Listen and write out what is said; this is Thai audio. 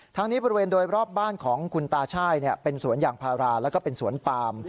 ทั้งนี้บริเวณโดยรอบบ้านของคุณตาช่ายเป็นสวนยางพาราแล้วก็เป็นสวนปาม